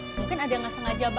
mungkin ada yang gak sengaja bawa